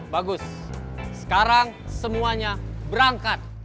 bagus sekarang semuanya berangkat